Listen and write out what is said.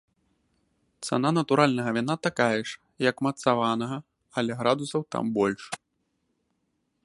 Цана натуральнага віна такая ж, як мацаванага, але градусаў там больш.